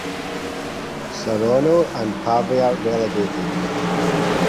Saronno and Pavia relegated.